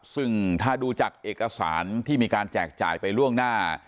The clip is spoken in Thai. ซึ่งถ้าดูจากเอกสารที่มีการแจกจ่ายไปล่วงหน้า